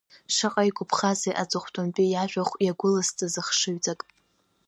Шаҟа игәаԥхазеи аҵыхәтәантәи иажәахә иагәыласҵаз ахшыҩҵак!